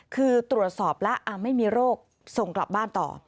คือตรวจสอบแล้วไม่มีโรคส่งกลับบ้านต่อ